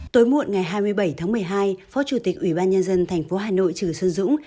tối muộn ngày hai mươi bảy tháng một mươi hai phó chủ tịch ủy ban nhân dân thành phố hà nội trừ xuân dũng